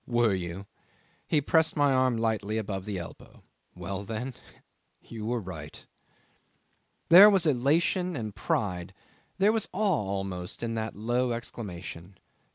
"Were you?" He pressed my arm lightly above the elbow. "Well, then you were right." 'There was elation and pride, there was awe almost, in that low exclamation.